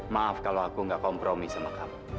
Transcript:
maaf kalau aku nggak kompromi sama kamu